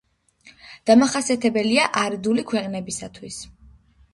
დამახასიათებელია არიდული ქვეყნებისათვის.